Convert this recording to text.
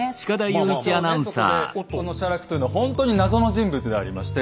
この写楽というのはほんとに謎の人物でありまして。